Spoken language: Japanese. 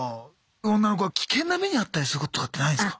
女の子が危険な目に遭ったりすることとかってないんすか？